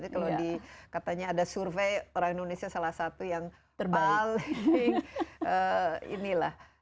kalau di katanya ada survei orang indonesia salah satu yang paling inilah